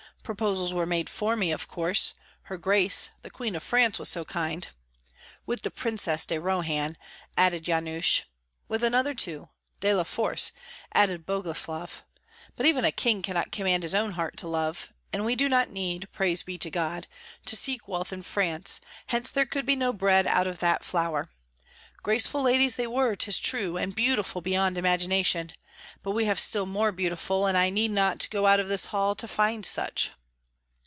Proposals were made for me, of course. Her Grace, the Queen of France was so kind " "With the Princess de Rohan," added Yanush. "With another too, De la Forse," added Boguslav; "but even a king cannot command his own heart to love, and we do not need, praise be to God, to seek wealth in France, hence there could be no bread out of that flour. Graceful ladies they were, 'tis true, and beautiful beyond imagination; but we have still more beautiful, and I need not go out of this hall to find such."